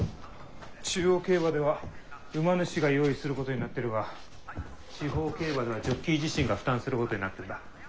中央競馬では馬主が用意することになっているが地方競馬ではジョッキー自身が負担することになってんだ。